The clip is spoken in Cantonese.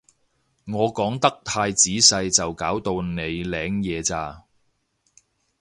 我講得太仔細就搞到你領嘢咋